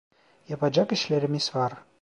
Yapacak işlerimiz var.